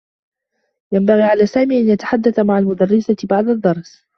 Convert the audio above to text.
ينبغي على سامي أن يتحدّث مع المدرّسة بعد الدّرس.